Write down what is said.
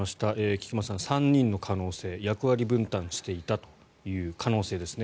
菊間さん、３人の可能性役割分担していたという可能性ですね。